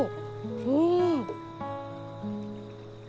うん！？